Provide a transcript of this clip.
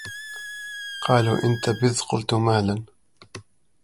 قالوا انتبذ قلت مهلا